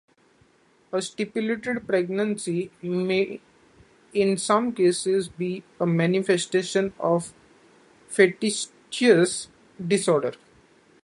A simulated pregnancy may in some cases be a manifestation of factitious disorder.